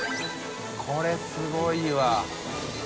これすごいわ。